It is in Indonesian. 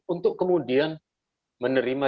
untuk kemudian menerima